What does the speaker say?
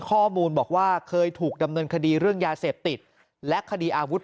ข้อมูลบอกว่าเคยถูกดำเนินคดีเรื่องยาเสพติดและคดีอาวุธ